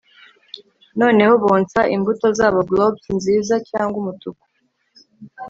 Noneho bonsa imbuto zabo globes nziza cyangwa umutuku